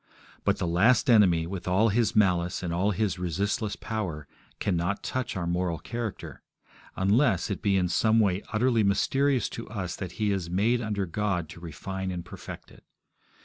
But the last enemy, with all his malice and all his resistless power, cannot touch our moral character unless it be in some way utterly mysterious to us that he is made under God to refine and perfect it.